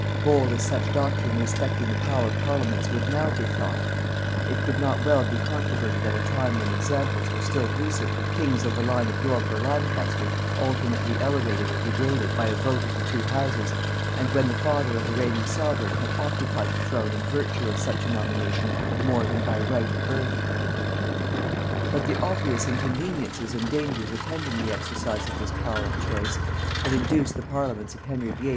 Bold as such doctrine respecting the power of parliaments would now be thought, it could not well be controverted at a time when examples were still recent of kings of the line of York or Lancaster alternately elevated or degraded by a vote of the two houses, and when the father of the reigning sovereign had occupied the throne in virtue of such a nomination more than by right of birth. [Note 3: See Herbert's Henry VIII.] But the obvious inconveniences and dangers attending the exercise of this power of choice, had induced the parliaments of Henry VIII.